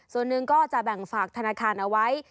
ส่วนหนึ่งก็จะแบ่งฝากธนาคารเอาไว้